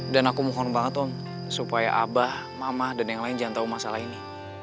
dan aku mohon banget om supaya abah mama dan yang lain jangan tahu masalah ini